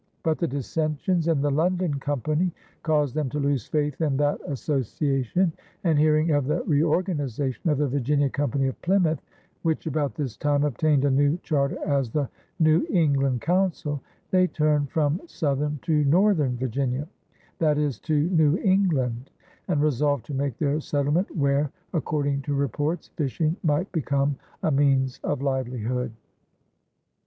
But the dissensions in the London Company caused them to lose faith in that association, and, hearing of the reorganization of the Virginia Company of Plymouth, which about this time obtained a new charter as the New England Council, they turned from southern to northern Virginia that is, to New England and resolved to make their settlement where according to reports fishing might become a means of livelihood.